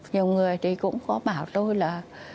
nhiều người thì cũng có bảo tôi là